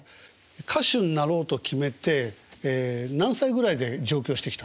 歌手になろうと決めて何歳ぐらいで上京してきたんですか？